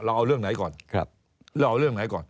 เราเอาเรื่องไหนก่อน